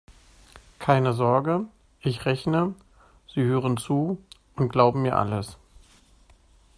Keine Sorge: Ich rechne, Sie hören zu und glauben mir alles.